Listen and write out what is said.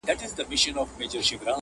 د خوشحال خان د مرغلرو قدر څه پیژني!